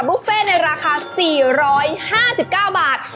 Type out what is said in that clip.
บุฟเฟ่ในราคา๔๕๙บาท